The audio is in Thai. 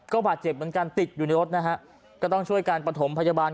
บาดเจ็บเหมือนกันติดอยู่ในรถนะฮะก็ต้องช่วยการประถมพยาบาล